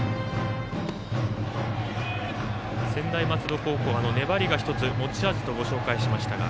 専大松戸高校、粘りが１つ持ち味と、ご紹介しましたが。